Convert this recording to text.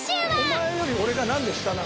お前より俺が何で下なの？